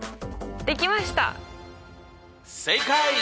できました！